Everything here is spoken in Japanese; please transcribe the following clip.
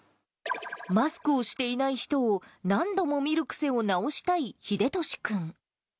マスクをしていない人を何度も見る癖を直したいひでとし君。